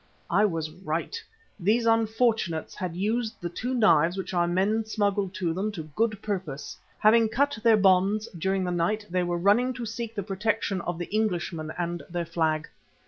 I was right. These unfortunates had used the two knives which our men smuggled to them to good purpose. Having cut their bonds during the night they were running to seek the protection of the Englishmen and their flag.